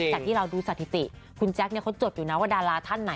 จากที่เราดูสถิติคุณแจ๊คเขาจดอยู่นะว่าดาราท่านไหน